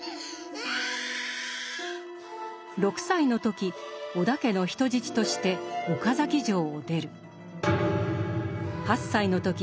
６歳の時織田家の人質として岡崎城を出る。